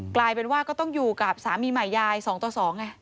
กลายเป็นว่าก็ต้องอยู่กับสามีใหม่ยาย๒ต่อ๒ไง